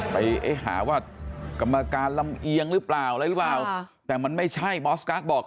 ไปหาว่ากรรมการลำเอียงหรือเปล่าอะไรหรือเปล่าแต่มันไม่ใช่มอสกั๊กบอก